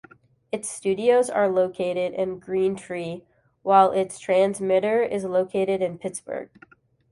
Its studios are located in Green Tree, while its transmitter is located in Pittsburgh.